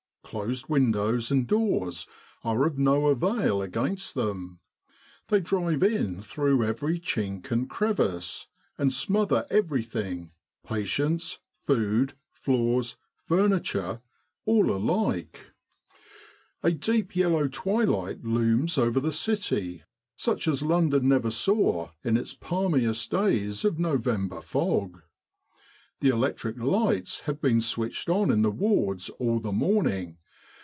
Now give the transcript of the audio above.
Closed windows and doors are of no avail against them. They drive in through every chink and crevice, and smother every 246 Military General Hospitals in Egypt thing patients, food, floors, furniture all alike. A deep yellow twilight looms over the city, such as Lon don never saw in its palmiest days of November fog : the electric lights have been switched on in the wards all the morning.